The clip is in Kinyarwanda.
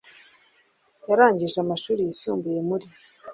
yarangije amashuri yisumbuye muri